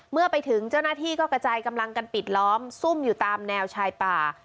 เมื่อไปถึงเจ้าหน้าที่ก็กระจายกำลังกันปิดล้อมซุ่มอยู่ตามแนวชายป่า